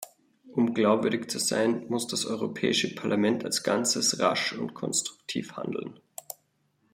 Um glaubwürdig zu sein, muss das Europäische Parlament als Ganzes rasch und konstruktiv handeln.